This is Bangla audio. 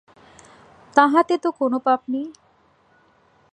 তাহাতে তো কোনো পাপ নাই।